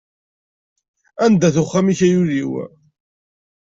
Anda-t uxxam-ik ay ul-iw.